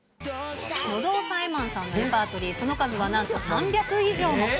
喉押さえマンさんのレパートリー、その数はなんと３００以上も。